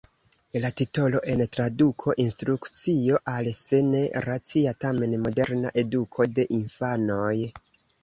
La titolo en traduko: "Instrukcio al se ne racia tamen moderna eduko de infanoj".